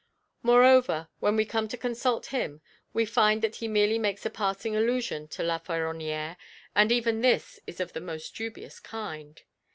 Moreover, when we come to consult him we find that he merely makes a passing allusion to La Féronnière, and even this is of the most dubious kind.